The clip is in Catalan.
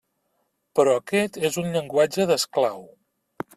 Però aquest és un llenguatge d'esclau.